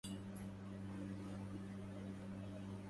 لم تدر جارتنا ولا تدري